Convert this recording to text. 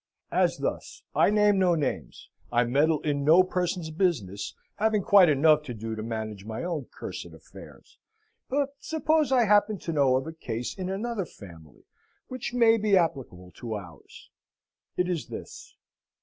"As thus. I name no names; I meddle in no person's business, having quite enough to do to manage my own cursed affairs. But suppose I happen to know of a case in another family which may be applicable to ours. It is this.